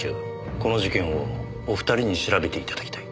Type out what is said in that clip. この事件をお二人に調べて頂きたい。